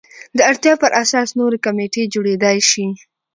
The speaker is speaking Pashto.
د اړتیا پر اساس نورې کمیټې جوړېدای شي.